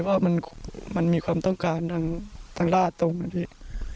เพราะว่ามันมีความต้องการทางราชตรงนี้